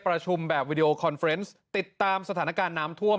ประชุมแบบวิดีโอคอนเฟรนซ์ติดตามสถานการณ์น้ำท่วม